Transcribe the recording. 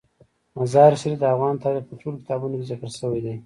مزارشریف د افغان تاریخ په ټولو کتابونو کې ذکر شوی دی.